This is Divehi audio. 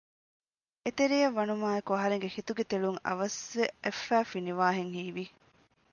އެތެރެޔަށް ވަނުމާއެކު އަހަރެންގެ ހިތުގެ ތެޅުން އަވަސްވެ އަތްފައި ފިނިވާހެން ހީވި